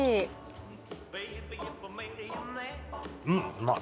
うまい。